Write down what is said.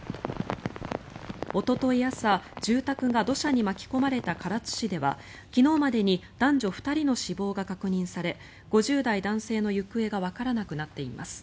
おととい朝、住宅が土砂に巻き込まれた唐津市では昨日までに男女２人の死亡が確認され５０代男性の行方がわからなくなっています。